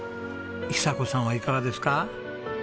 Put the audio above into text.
寿子さんはいかがですか？